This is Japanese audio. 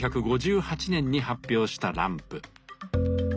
１９５８年に発表したランプ。